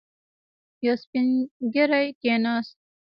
يو سپين ږيری کېناست.